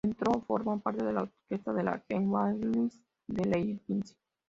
Entró a formar parte de la Orquesta de la Gewandhaus de Leipzig.